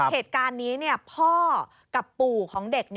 เหตุการณ์นี้พ่อกับปู่ของเด็ก